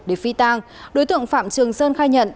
để phi tang đối tượng phạm trường sơn khai nhận